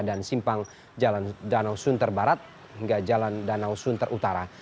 dan simpang jalan danau sunter barat hingga jalan danau sunter utara